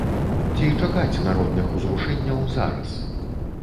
Ці чакаць народных узрушэнняў зараз?